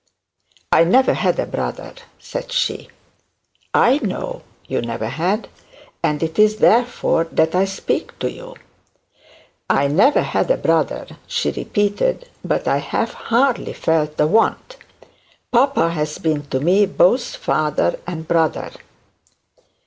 'I never had a brother,' said she. 'I know you never had, and it is therefore that I speak to you.' 'I never had a brother,' she repeated; 'but I have hardly felt the want. Papa has been to me both father and brother.'